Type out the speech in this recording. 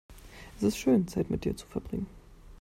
Es ist schön, Zeit mit dir zu verbringen.